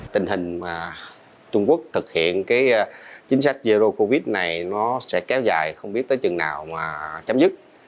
tình hình mà trung quốc thực hiện chính sách zero covid này nó sẽ kéo dài không biết tới chừng nào mà chấm dứt